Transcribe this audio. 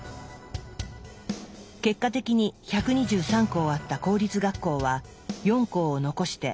結果的に１２３校あった公立学校は４校を残して全て潰されました。